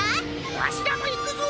わしらもいくぞ！